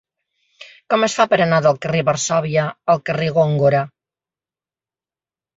Com es fa per anar del carrer de Varsòvia al carrer de Góngora?